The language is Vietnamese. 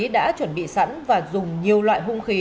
đã chuẩn bị sẵn và dùng nhiều loại hung khí